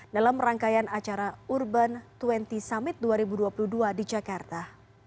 dalam rangkaian acara urban dua puluh summit dua ribu dua puluh dua di jakarta